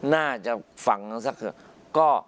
น่าจะฝั่งสักเกิก